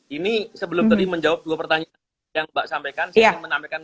ini sebelum tadi menjawab dua pertanyaan yang mbak sampaikan saya ingin menamakan hal lainnya